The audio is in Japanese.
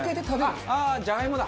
あっじゃがいもだ！